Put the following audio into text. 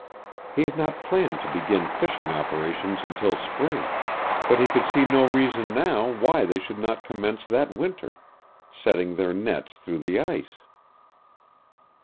He had not planned to begin fishing operations until spring, but he could see no reason now why they should not commence that winter, setting their nets through the ice.